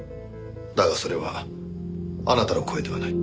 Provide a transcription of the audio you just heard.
だがそれはあなたの声ではない。